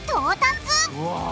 うわ！